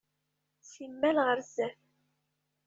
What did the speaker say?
Simmal ɣer zdat.